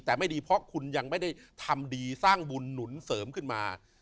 แต่ไม่ดีเพราะคุณยังไม่ได้ทำดีสร้างบุญหนุนเสริมขึ้นมา